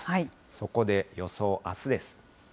そこで予想、あすです。